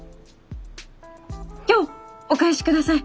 今日お返し下さい。